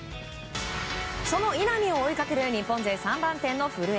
その稲見を追いかける日本勢３番手の古江。